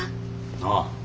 ああ。